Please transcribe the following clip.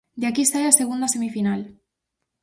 De aquí sae a segunda semifinal.